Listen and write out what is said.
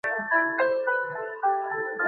স্রষ্টার প্রজ্জলিত আলোয় তোরা শয়তানেরা কিছুই না!